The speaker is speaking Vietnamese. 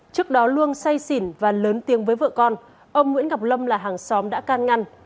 trước đó luông say xỉn và lớn tiếng với vợ con ông nguyễn ngọc lâm là hàng xóm đã can ngăn